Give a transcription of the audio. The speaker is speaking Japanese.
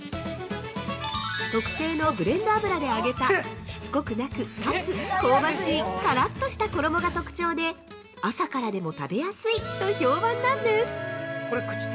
特製のブレンド油で揚げたしつこくなく、かつ香ばしいカラッとした衣が特徴で朝からでも食べやすい！と評判なんです！